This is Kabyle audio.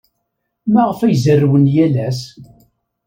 Maɣef ay zerrwen yal ass?